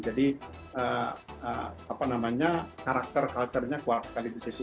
jadi apa namanya karakter culture nya kuat sekali di situ